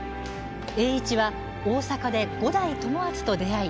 栄一は大阪で五代友厚と出会い